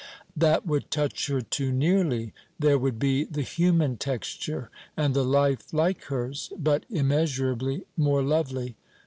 That would touch her too nearly. There would be the human texture and the life like hers, but immeasurably more lovely.